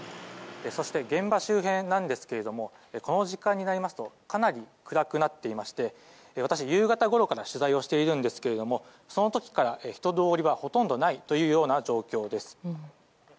そして、現場周辺なんですがこの時間になりますとかなり暗くなっていまして私、夕方ごろから取材をしているんですけどもその時から人通りはほとんどないという状況です。